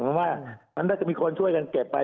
ผมว่ามันก็จะมีคนช่วยกันเก็บไป